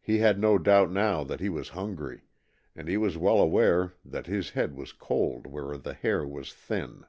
He had no doubt now that he was hungry, and he was well aware that his head was cold where the hair was thin.